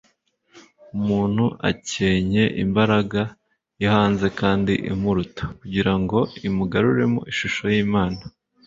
Umuntu akencye imbaraga yo hanze kandi imuruta kugira ngo imugaruremo ishusho y'Imana,